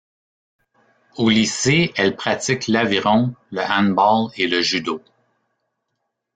Au lycée, elle pratique l'aviron, le handball et le judo.